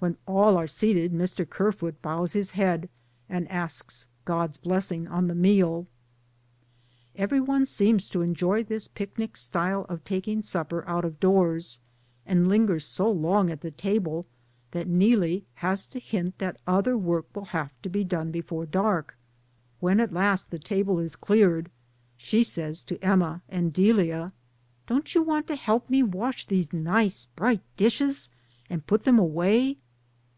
When all are seated Mr. Kerfoot bows his head and asks God's blessing on the meal. Every one seems to enjoy this picnic style of taking supper out of doors, and linger so long at the table, that Neelie has to hint that other work will have to be done before dark. When at last the table is cleared, she says to Emma and Delia, "Don't you want to help me wash these nice, bright dishes and put them away?"